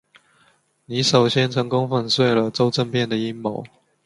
你首先成功粉碎了周政变的阴谋。